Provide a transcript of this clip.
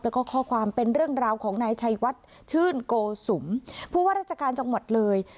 แล้วก็ข้อความเป็นเรื่องราวของนายชัยวัดชื่นโกสุมผู้ว่าราชการจังหวัดเลย